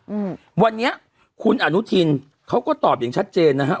อืมวันนี้คุณอนุทินเขาก็ตอบอย่างชัดเจนนะฮะ